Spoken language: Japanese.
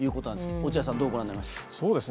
落合さん、どうご覧になりますか。